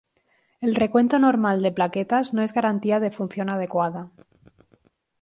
El recuento normal de plaquetas no es garantía de función adecuada.